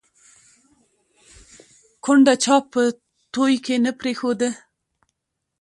ـ کونډه چا په توى کې نه پرېښوده